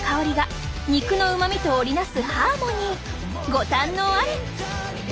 ご堪能あれ！